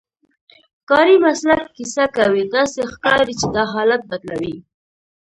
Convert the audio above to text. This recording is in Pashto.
کاري مسلک کیسه کوي، داسې ښکاري چې دا حالت بدلوي.